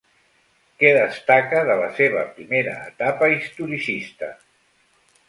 Què destaca de la seva primera etapa historicista?